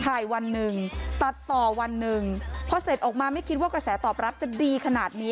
วันหนึ่งตัดต่อวันหนึ่งพอเสร็จออกมาไม่คิดว่ากระแสตอบรับจะดีขนาดนี้